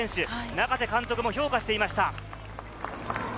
中瀬監督も評価していました。